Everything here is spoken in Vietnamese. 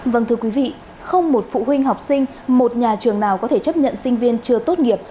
vâng thưa quý vị không một phụ huynh học sinh một nhà trường nào có thể chấp nhận sinh viên chưa tốt nghiệp